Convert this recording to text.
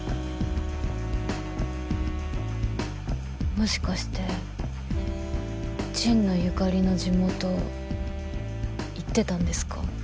もしかして神野由香里の地元行ってたんですか？